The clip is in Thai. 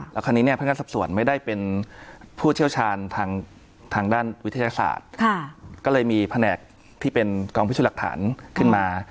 แล้วคราวนี้เนี่ยพนักงานสอบส่วนไม่ได้เป็นผู้เชี่ยวชาญทางด้านวิทยาศาสตร์ก็เลยมีแผนกที่เป็นกองพิสูจน์หลักฐานขึ้นมา